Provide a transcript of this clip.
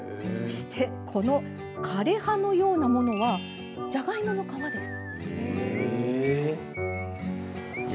この枯れ葉のようなものはじゃがいもの皮なんです。